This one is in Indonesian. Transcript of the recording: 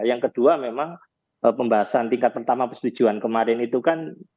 yang kedua memang pembahasan tingkat pertama persetujuan kemarin itu kan